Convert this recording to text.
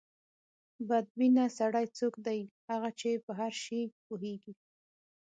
بد بینه سړی څوک دی؟ هغه چې په هر شي پوهېږي.